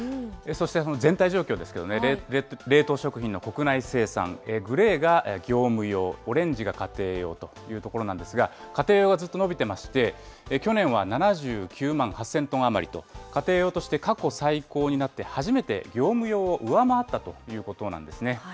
そしてその全体状況ですけれどもね、冷凍食品の国内生産、グレーが業務用、オレンジが家庭用というところなんですが、家庭用がずっと伸びてまして、去年は７９万８０００トン余りと、家庭用として過去最高になって初めて業務用を上回ったということなんですね。